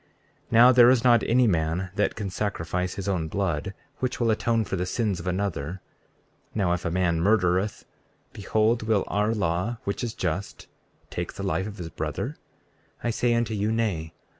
34:11 Now there is not any man that can sacrifice his own blood which will atone for the sins of another. Now, if a man murdereth, behold will our law, which is just, take the life of his brother? I say unto you, Nay.